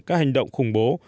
các hành động khủng bố